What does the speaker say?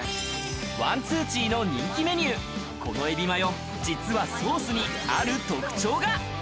万豚記の人気メニュー、このエビマヨ、実はソースにある特徴が！